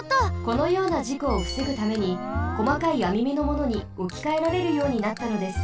このようなじこをふせぐためにこまかいあみめのものにおきかえられるようになったのです。